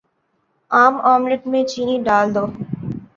عام آملیٹ میں چینی ڈال دو